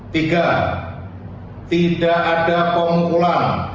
tiga tidak ada pemukulan